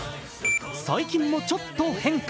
最近もちょっと変化。